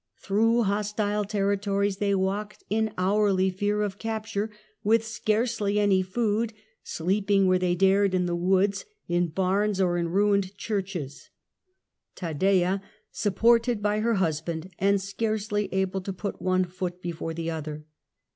Through hostile territories they walked in hourly fear of capture, with scarcely any food, sleeping where they dared in the woods, in barns, or in ruined churches, Taddea supported by her husband and scarcely able to put one foot before the other.